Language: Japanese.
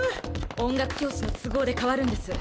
音楽教師の都合で変わるんです。